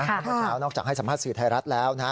เมื่อเช้านอกจากให้สัมภาษณ์สื่อไทยรัฐแล้วนะ